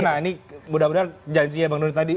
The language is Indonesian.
nah ini mudah mudahan janjinya bang nur tadi